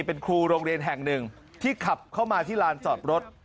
เป็นครูโรงเรียนแห่งหนึ่งที่ขับเข้ามาที่ลานจอดรถ